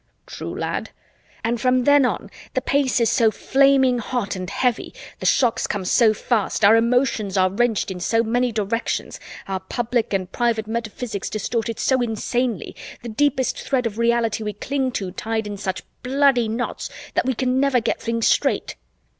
"True, lad." "And from then on, the pace is so flaming hot and heavy, the shocks come so fast, our emotions are wrenched in so many directions, our public and private metaphysics distorted so insanely, the deepest thread of reality we cling to tied in such bloody knots, that we never can get things straight."